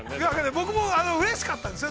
◆僕もうれしかったんですよ。